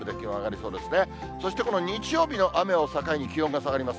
そしてこの日曜日の雨を境に気温が下がります。